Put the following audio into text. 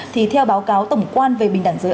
thì theo báo cáo tổng quan về bình đẳng giới